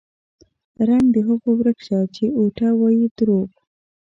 رنګ د هغو ورک شه چې اوټه وايي دروغ